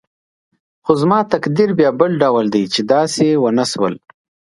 خو زما تقدیر بیا بل ډول دی چې داسې ونه شول.